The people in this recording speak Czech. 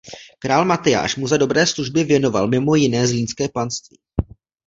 Král Matyáš mu za dobré služby věnoval mimo jiné zlínské panství.